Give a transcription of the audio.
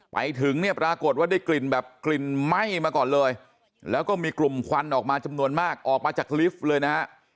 ไปถึงเนี่ยปรากฏว่าได้กลิ่นแบบกลิ่นไหม้มาก่อนเลยแล้วก็มีกลุ่มควันออกมาจำนวนมากออกมาจากลิฟต์เลยนะฮะ